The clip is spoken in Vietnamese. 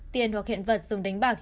tiền hoặc hiện vật dùng đánh bạc